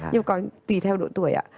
nhưng mà tùy theo độ tuổi ạ